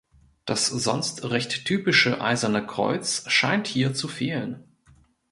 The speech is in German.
Das sonst recht typische Eiserne Kreuz scheint hier zu fehlen.